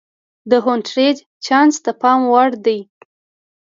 د هونټریج چانس د پام وړ دی.